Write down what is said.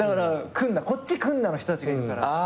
こっち来んな！の人たちがいるから。